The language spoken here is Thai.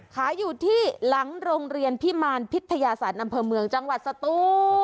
ขายอยู่ที่หลังโรงเรียนพิมารพิทยาศาสตร์อำเภอเมืองจังหวัดสตู